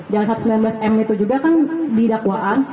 yang satu ratus sembilan belas m itu juga kan didakwaan